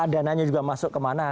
dananya juga masuk kemana